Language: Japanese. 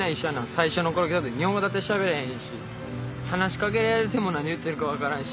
最初の頃来た時日本語だってしゃべれへんし話しかけられても何言ってるか分からんし。